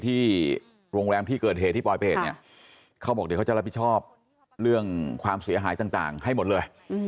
ที่โรงแรมที่เกิดเหตุที่ปลอยเพจเนี่ยเขาบอกเดี๋ยวเขาจะรับผิดชอบเรื่องความเสียหายต่างให้หมดเลย